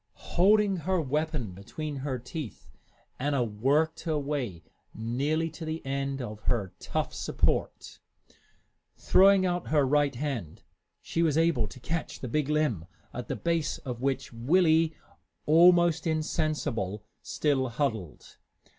Holding her weapon between her teeth, Anna worked her way nearly to the end of her tough support. Throwing out her right hand, she was able to catch the big limb, at the base of which Willie, almost insensible, still huddled.